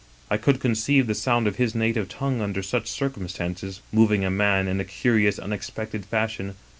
I could conceive the sound of his native tongue under such circumstances moving a man in a curious unexpected fashion.